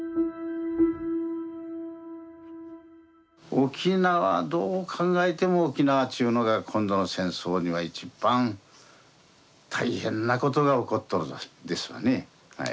沖縄どう考えても沖縄っちゅうのが今度の戦争では一番大変なことが起こっとるですわね。